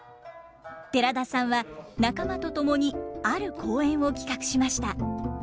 寺田さんは仲間と共にある公演を企画しました。